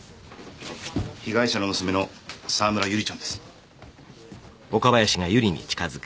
被害者の娘の沢村百合ちゃんです